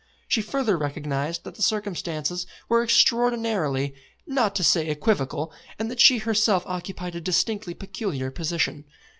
She further recognised that the circumstances were extraordinary, not to say equivocal, and that she herself occupied a distinctly peculiar position.